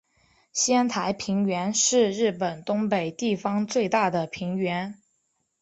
仙台平原是日本东北地方最大的平原。